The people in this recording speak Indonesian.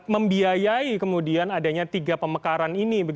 membiayai kemudian adanya tiga pemekaran ini